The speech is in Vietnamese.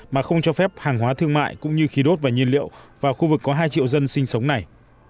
mà không cho phép hàng hóa thương mại cũng như khí đốt và nhiên liệu vào khu vực có hai triệu dân sinh sống này